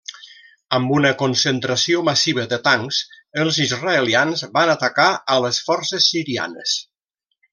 Amb una concentració massiva de tancs, els israelians van atacar a les forces sirianes.